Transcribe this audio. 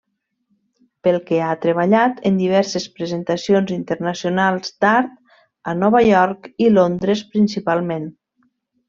Pel que ha treballat en diverses presentacions internacionals d'art, a Nova York i Londres principalment.